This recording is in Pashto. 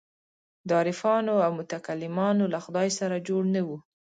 د عارفانو او متکلمانو له خدای سره جوړ نه وو.